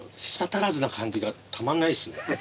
足らずな感じがたまんないっすね